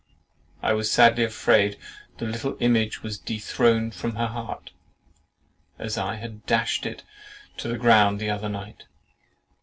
—"I was sadly afraid the LITTLE IMAGE was dethroned from her heart, as I had dashed it to the ground the other night."